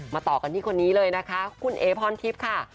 ต่อกันที่คนนี้เลยนะคะคุณเอ๋พรทิพย์ค่ะ